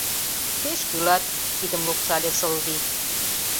— Пеш кӱлат! — кидым лупшале Сылвий.